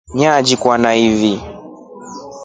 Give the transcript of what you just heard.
Nyaalikwa na fii.